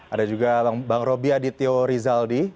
ada juga bang roby adityo rizaldi